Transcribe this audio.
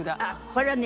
これはね